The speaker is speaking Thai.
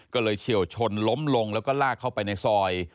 ก็เลยเฉียวชนล้มลงแล้วก็ลากเข้าไปในซอย